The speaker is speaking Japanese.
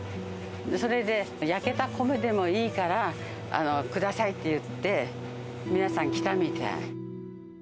それで焼けた米でもいいから、くださいって言って、皆さん来たみたい。